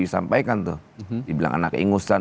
disampaikan tuh dibilang anak ingusan